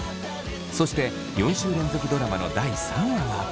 そして４週連続ドラマの第３話は。